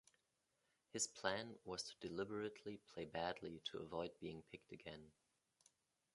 His plan was to deliberately play badly to avoid being picked again.